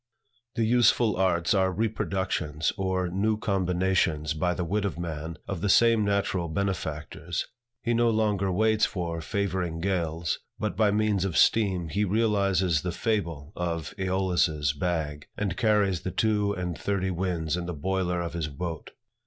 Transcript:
The useful arts are reproductions or new combinations by the wit of man, of the same natural benefactors. He no longer waits for favoring gales, but by means of steam, he realizes the fable of Aeolus's bag, and carries the two and thirty winds in the boiler of his boat.